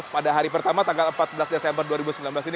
pada hari pertama tanggal empat belas desember dua ribu sembilan belas ini